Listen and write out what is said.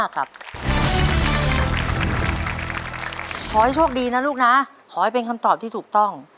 ขอให้โชคดีนะลูกนะขอให้เป็นคำตอบที่ถูกต้อง